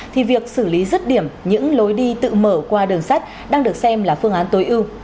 thì việc xử lý rứt điểm những lối đi tự mở qua đường sắt đang được xem là phương án tối ưu